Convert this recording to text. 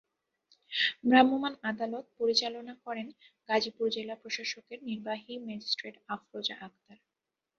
ভ্রাম্যমাণ আদালত পরিচালনা করেন গাজীপুর জেলা প্রশাসনের নির্বাহী ম্যাজিস্ট্রেট আফরোজা আক্তার।